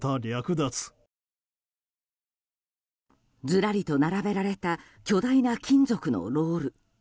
ずらりと並べられた巨大な金属のロール。